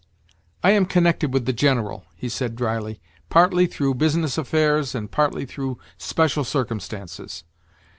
"I am connected with the General," he said drily, "partly through business affairs, and partly through special circumstances.